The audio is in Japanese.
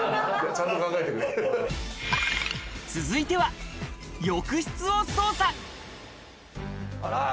続いては浴室を捜査。